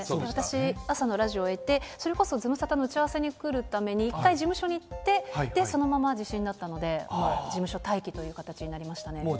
私、朝のラジオを終えて、それこそズムサタの打ち合わせに来るために、一回事務所に行って、そのまま地震だったので、もう、事務所待機という形になりましたね。